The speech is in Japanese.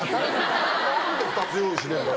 何で２つ用意しねえんだ。